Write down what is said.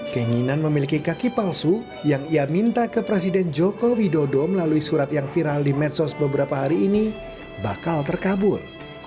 keinginan memiliki kaki palsu yang ia minta ke presiden joko widodo melalui surat yang viral di medsos beberapa hari ini bakal terkabul